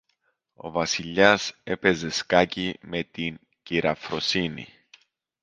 Ο Βασιλιάς έπαιζε σκάκι με την κυρα-Φρόνηση.